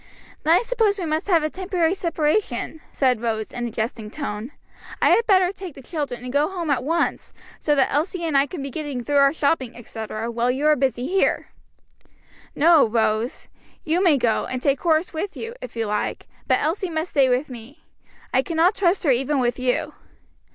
"Then I suppose we must have a temporary separation," said Rose, in a jesting tone; "I had better take the children and go home at once, so that Elsie and I can be getting through our shopping, etc., while you are busy here." "No, Rose; you may go, and take Horace with you, if you like; but Elsie must stay with me. I cannot trust her even with you!"